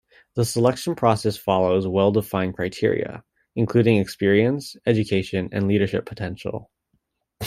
The selection process follows well defined criteria, including experience, education and leadership potential.